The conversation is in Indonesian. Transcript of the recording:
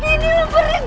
karma kita tidak untuk